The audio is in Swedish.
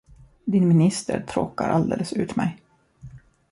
Din minister tråkar alldeles ut mig!